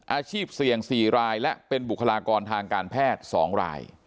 อาชีพเสี่ยง๔รายและเป็นบุคลากรทางการแพทย์๒ราย